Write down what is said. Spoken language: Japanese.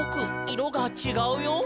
いろがちがうよ」